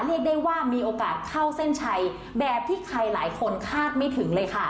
เรียกได้ว่ามีโอกาสเข้าเส้นชัยแบบที่ใครหลายคนคาดไม่ถึงเลยค่ะ